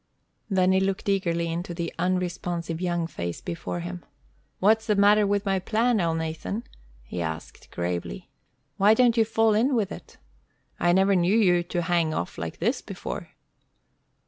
Then he looked eagerly into the unresponsive young face before him. "What's the matter with my plan, Elnathan?" he asked, gravely. "Why don't you fall in with it? I never knew you to hang off like this before."